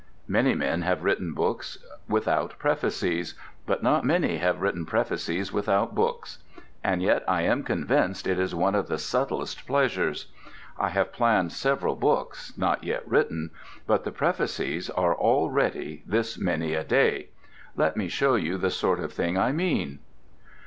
Many men have written books without prefaces. But not many have written prefaces without books. And yet I am convinced it is one of the subtlest pleasures. I have planned several books, not yet written; but the prefaces are all ready this many a day. Let me show you the sort of thing I mean.